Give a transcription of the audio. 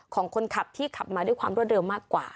ของคนขับที่ขับมาด้วยความรวดเร็วมากกว่า